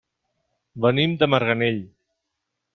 Venim de Marganell.